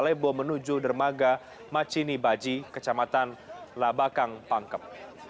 kalebo menuju dermaga macinibaji kecamatan labakang pangkep